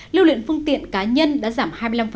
lưu luyện phương tiện cá nhân đã giảm hai mươi năm